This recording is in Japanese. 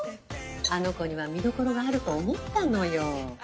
あの子には見どころがあると思ったのよ。